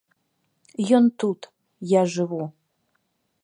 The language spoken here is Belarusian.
Ён тут, я жыву.